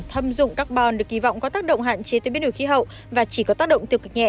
thâm dụng carbon được kỳ vọng có tác động hạn chế tới biến đổi khí hậu và chỉ có tác động tiêu cực nhẹ